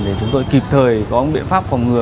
để chúng tôi kịp thời có một biện pháp phòng ngừa